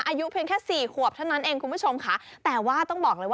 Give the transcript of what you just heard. อายุเพียงแค่สี่ขวบเท่านั้นเองคุณผู้ชมค่ะแต่ว่าต้องบอกเลยว่า